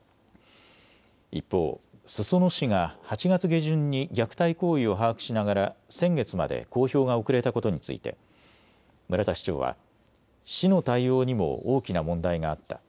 一方、裾野市が８月下旬に虐待行為を把握しながら先月まで公表が遅れたことについて村田市長は市の対応にも大きな問題があった。